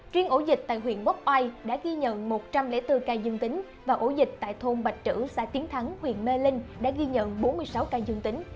riêng ổ dịch tại huyện quốc oai đã ghi nhận một trăm linh bốn ca dương tính và ổ dịch tại thôn bạch trữ xã tiến thắng huyện mê linh đã ghi nhận bốn mươi sáu ca dương tính